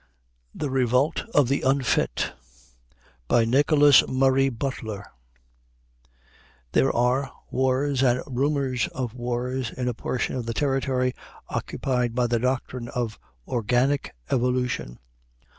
] THE REVOLT OF THE UNFIT NICHOLAS MURRAY BUTLER THERE are wars and rumors of wars in a portion of the territory occupied by the doctrine of organic evolution.